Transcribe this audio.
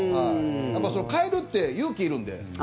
変えるって勇気いるんで。